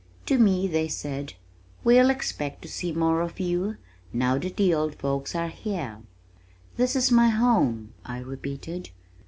To me they said, "We'll expect to see more of you, now that the old folks are here." "This is my home," I repeated.